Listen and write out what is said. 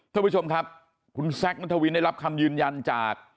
ท่านผู้ชมครับคุณแซคนัทวินได้รับคำยืนยันจาก